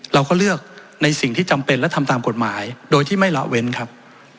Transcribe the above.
เราก็เลือกในสิ่งที่จำเป็นและทำตามกฎหมายโดยที่ไม่ละเว้นครับ